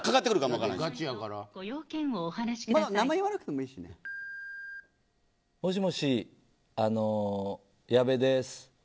もしもし、矢部です。